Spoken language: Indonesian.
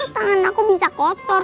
tangan aku bisa kotor